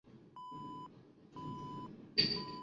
拳参为蓼科春蓼属下的一个种。